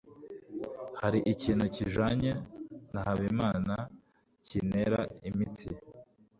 hariho ikintu kijanye na habimana kintera imitsi